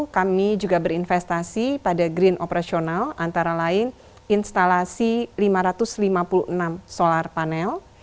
kami juga berinvestasi pada green operational antara lain instalasi lima ratus lima puluh enam solar panel